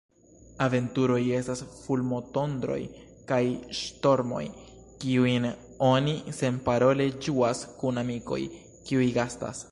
Aventuroj estas fulmotondroj kaj ŝtormoj, kiujn oni senparole ĝuas kun amikoj, kiuj gastas.